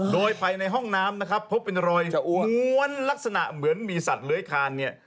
โดยภายในห้องน้ำนะครับพบเป็นรอยม้วนลักษณะเหมือนมีสัตว์เลื้อยคานเนี่ย